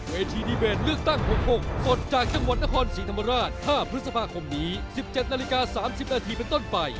ดีเบตเลือกตั้ง๖๖ปลดจากจังหวัดนครศรีธรรมราช๕พฤษภาคมนี้๑๗นาฬิกา๓๐นาทีเป็นต้นไป